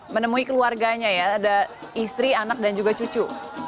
menemui keluarganya ya ada istri anak dan juga cucu